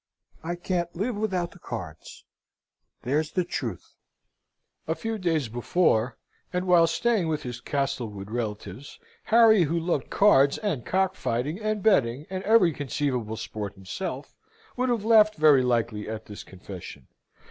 I can't live without the cards, there's the truth!" A few days before, and while staying with his Castlewood relatives, Harry, who loved cards, and cock fighting, and betting, and every conceivable sport himself, would have laughed very likely at this confession.